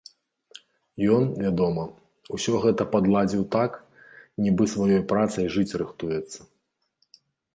Ён, вядома, усё гэта падладзіў так, нібы сваёй працай жыць рыхтуецца.